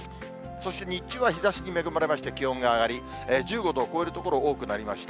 そして日中は日ざしに恵まれまして、気温が上がり、１５度を超える所、多くなりました。